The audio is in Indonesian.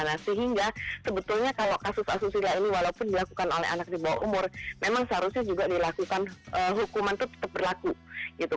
nah sehingga sebetulnya kalau kasus asusila ini walaupun dilakukan oleh anak di bawah umur memang seharusnya juga dilakukan hukuman itu tetap berlaku gitu